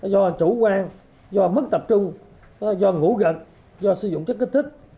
do chủ quan do mất tập trung do ngủ gật do sử dụng chất kích thích